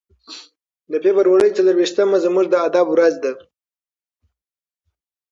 د فبرورۍ څلور ویشتمه زموږ د ادب ورځ ده.